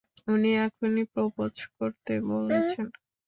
উনি এখনই প্রপোজ করতে বলেছেন।